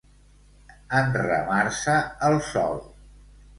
Enramar-se el sol.